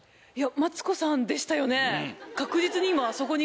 マツコさんでしたよね！